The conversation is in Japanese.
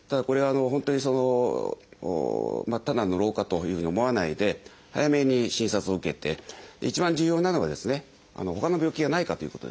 本当にただの老化というふうに思わないで早めに診察を受けて一番重要なのはほかの病気がないかということですね。